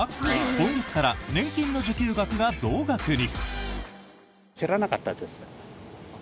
今月から年金の受給額が増額に。